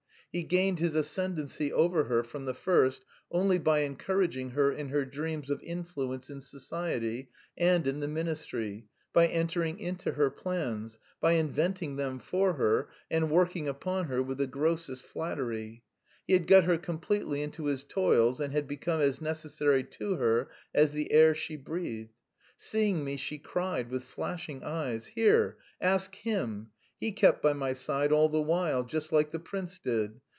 He gained his ascendency over her from the first only by encouraging her in her dreams of influence in society and in the ministry, by entering into her plans, by inventing them for her, and working upon her with the grossest flattery. He had got her completely into his toils and had become as necessary to her as the air she breathed. Seeing me, she cried, with flashing eyes: "Here, ask him. He kept by my side all the while, just like the prince did.